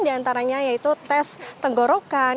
diantaranya yaitu tes tenggorokan